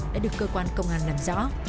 đã được cơ quan công an làm rõ